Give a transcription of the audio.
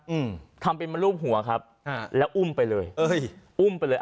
อืมทำเป็นมารูปหัวครับอ่าแล้วอุ้มไปเลยเอ้ยอุ้มไปเลย